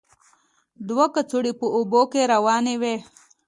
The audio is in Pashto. دوه کڅوړې په اوبو کې روانې وې.